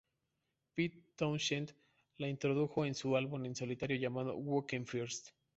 Pete Townshend la introdujo en su álbum en solitario llamado "Who Came First".